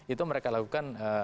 itu mereka lakukan